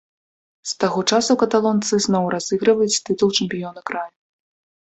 З таго часу каталонцы зноў разыгрываюць тытул чэмпіёна краю.